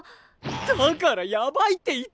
だからやばいって言ってるだろ！